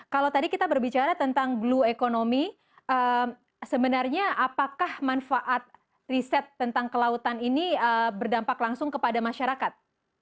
kalau tadi kita berbicara tentang blue economy sebenarnya apakah manfaat riset tentang kelautan ini berdampak langsung kepada masyarakat